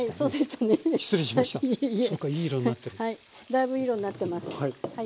だいぶいい色になってます。